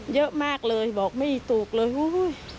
เยอะมากเลยบอกไม่ถูกเลยอุ้ย